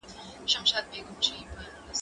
زه به تمرين کړي وي